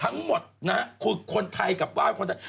ทั้งหมดนะฮะคือคนไทยกลับบ้านคนไทย